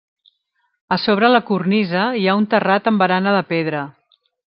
A sobre la cornisa hi ha un terrat amb barana de pedra.